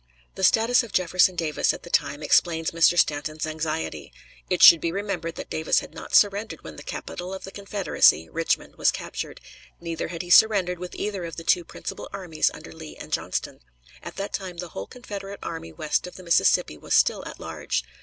The status of Jefferson Davis at the time explains Mr. Stanton's anxiety. It should be remembered that Davis had not surrendered when the capital of the Confederacy, Richmond, was captured; neither had he surrendered with either of the two principal armies under Lee and Johnston. At that time the whole Confederate army west of the Mississippi was still at large.